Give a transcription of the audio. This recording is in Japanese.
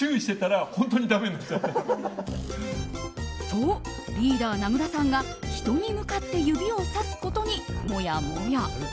と、リーダー名倉さんが人に向かって指をさすことに、もやもや。